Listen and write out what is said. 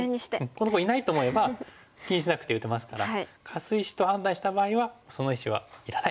この子いないと思えば気にしなくて打てますからカス石と判断した場合はその石はいらない。